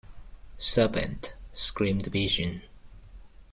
‘Serpent!’ screamed the Pigeon.